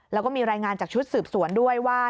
แล้วก็มีรายงานจากชุดสืบสวนด้วยว่า